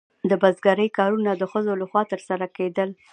د بزګرۍ کارونه د ښځو لخوا ترسره کیدل.